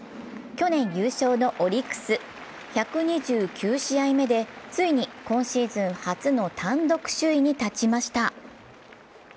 去年優勝のオリックス、１２９試合目でついに今シーズン初の単独首位に立ちました。